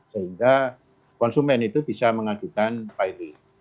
sehingga konsumen itu bisa mengajukan pilot